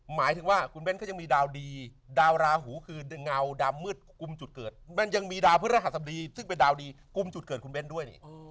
หมายถึงว่าคุณเบ้นก็ยังมีดาวดีดาวราหูคือเงาดำมืดกลุ่มจุดเกิดมันยังมีดาวพฤหัสบดีซึ่งเป็นดาวดีกุมจุดเกิดคุณเบ้นด้วยนี่